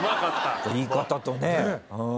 言い方とねうん。